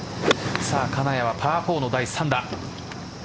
金谷はパー４の第３打。